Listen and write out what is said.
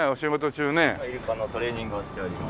イルカのトレーニングをしております。